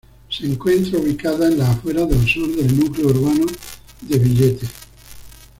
Se encuentra ubicada en las afueras del sur del núcleo urbano de Villette.